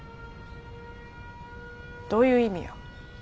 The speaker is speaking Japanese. どういう意味や。